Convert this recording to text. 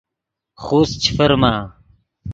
خوست چے فرما